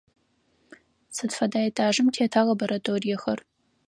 Сыд фэдэ этажым тета лабораториехэр?